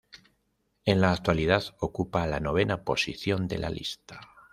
En la actualidad ocupa la novena posición de la lista.